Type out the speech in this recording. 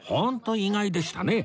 意外でしたね